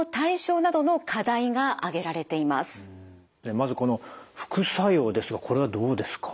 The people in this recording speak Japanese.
まずこの副作用ですがこれはどうですか？